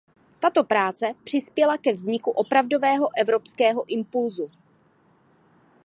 Tato práce přispěla ke vzniku opravdového evropského impulsu.